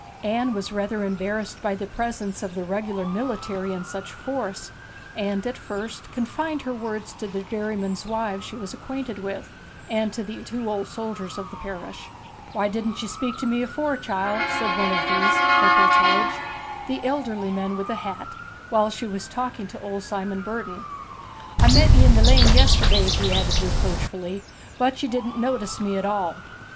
Anne was rather embarrassed by the presence of the regular military in such force, and at first confined her words to the dairymen's wives she was acquainted with, and to the two old soldiers of the parish. 'Why didn't ye speak to me afore, chiel?' said one of these, Corporal Tullidge, the elderly man with the hat, while she was talking to old Simon Burden. 'I met ye in the lane yesterday,' he added reproachfully, 'but ye didn't notice me at all.'